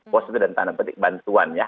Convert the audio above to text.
pos itu dan tanda petik bantuan ya